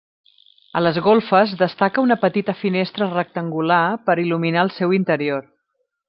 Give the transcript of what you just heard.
A les golfes destaca una petita finestra rectangular per il·luminar el seu interior.